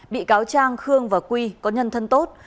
bị cáo trang khương và quy có nhân thân tốt